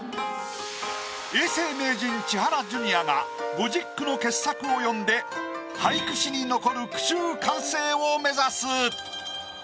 永世名人千原ジュニアが５０句の傑作を詠んで俳句史に残る句集完成を目指す。